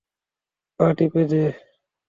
পা টিপে দে।